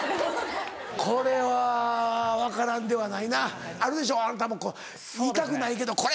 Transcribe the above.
これは分からんではないなあるでしょあなたも言いたくないけどこれ！